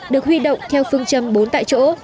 được huy động theo phương châm bốn tại chỗ